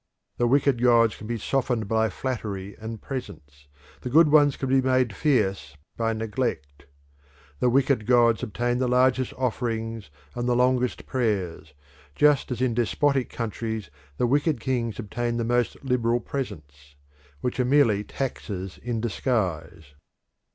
The wicked gods can be softened by flattery and presents, the good ones can be made fierce by neglect. The wicked gods obtain the largest offerings and the longest prayers, just as in despotic countries the wicked kings obtain the most liberal presents which are merely taxes in disguise.